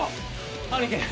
兄貴！